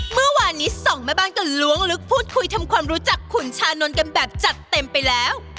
เมื่อวานนี้สองแม่บ้านก็ล้วงลึกพูดคุยทำความรู้จักขุนชานนท์กันแบบจัดเต็มไปแล้ว